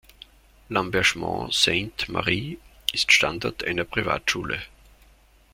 Labergement-Sainte-Marie ist Standort einer Privatschule.